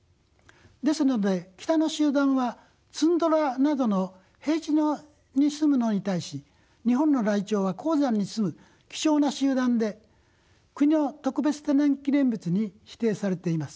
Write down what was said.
ですので北の集団はツンドラなどの平地に住むのに対し日本のライチョウは高山に住む貴重な集団で国の特別天然記念物に指定されています。